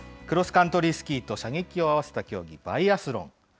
クロスカントリースキーと射撃を合わせた競技、バイアスロン。